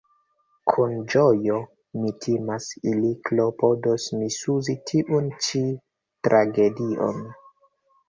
Kun ĝojo – mi timas – ili klopodos misuzi tiun ĉi tragedion.